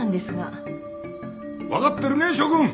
わかってるね諸君！